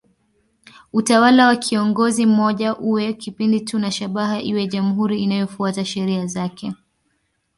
Utawala wa kiongozi mmoja uwe kipindi tu na shabaha iwe jamhuri inayofuata sheria zake.